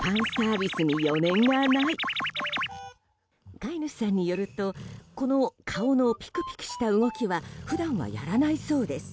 飼い主さんによるとこの顔のピクピクした動きは普段はやらないそうです。